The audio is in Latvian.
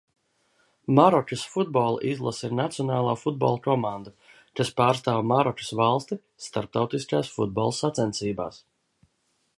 Marokas futbola izlase ir nacionālā futbola komanda, kas pārstāv Marokas valsti starptautiskās futbola sacensībās.